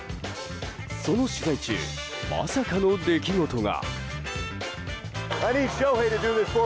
その取材中まさかの出来事が。